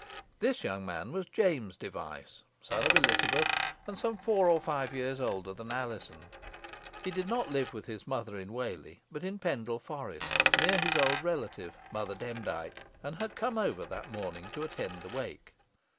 This young man was James Device, son of Elizabeth, and some four or five years older than Alizon. He did not live with his mother in Whalley, but in Pendle Forest, near his old relative, Mother Demdike, and had come over that morning to attend the wake.